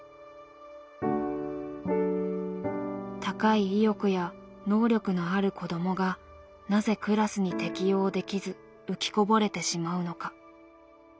高い意欲や能力のある子どもがなぜクラスに適応できず“浮きこぼれ”てしまうのか。